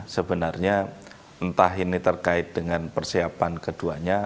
sebenarnya entah ini terkait dengan persiapan keduanya